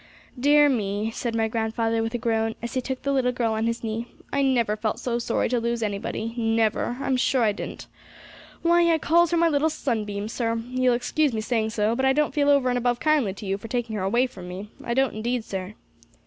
'Dear me!' said my grandfather, with a groan, as he took the little girl on his knee, 'I never felt so sorry to lose anybody, never; I'm sure I didn't. Why, I calls her my little sunbeam, sir! You'll excuse me saying so, but I don't feel over and above kindly to you for taking her away from me; I don't indeed, sir.'